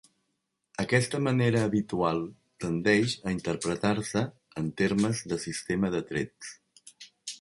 Aquesta manera habitual tendeix a interpretar-se en termes de sistema de trets.